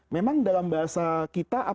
memang dalam bahasa kita